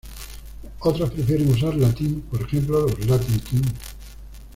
Otros prefieren usar "Latin", por ejemplo, los Latin Kings.